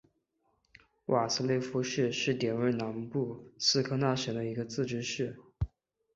斯瓦勒夫市是瑞典南部斯科讷省的一个自治市。